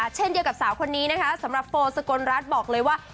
เช่นเดียวกับสาวคนนี้นะคะสำหรับโฟสกลรัฐบอกเลยว่า